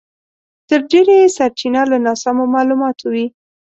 تر ډېره یې سرچينه له ناسمو مالوماتو وي.